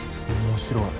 面白い。